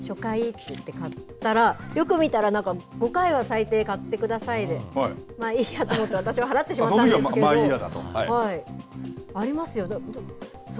私もね、あ、安い初回といって買ったらよく見たら、なんか５回は最低買ってくださいってまあいいやと思って私は払ってしまったんですけどありますよ。